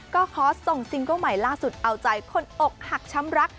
ก็ขอส่งซิงเกิ้ลใหม่ล่าสุดเอาใจคนอกหักช้ำรัก